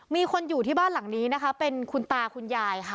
มีคนอยู่ที่บ้านหลังนี้นะคะเป็นคุณตาคุณยายค่ะ